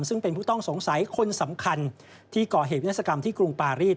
ซึ่งเป็นผู้ต้องสงสัยคนสำคัญที่ก่อเหตุวินาศกรรมที่กรุงปารีส